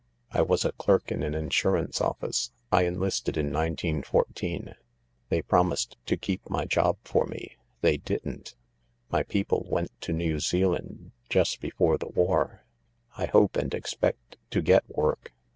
I was a clerk in an insurance office. I enlisted in 1914. They promised to keep my job for me — they didn't. My people went to New Zealand just before the war. I hope and expect to get work.